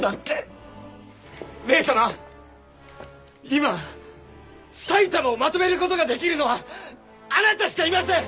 今埼玉をまとめることができるのはあなたしかいません！